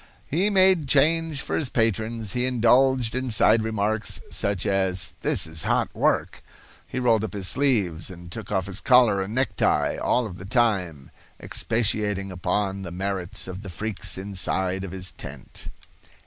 He made change for his patrons. He indulged in side remarks, such as "This is hot work." He rolled up his sleeves and took off his collar and necktie, all of the time expatiating upon the merits of the freaks inside of his tent.